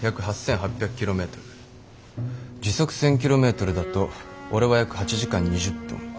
時速１，０００キロメートルだと俺は約８時間２０分。